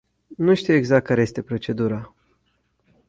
Nu știu exact care este procedura.